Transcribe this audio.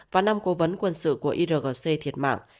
và năm cố vấn quân sự của irgc thiệt mạng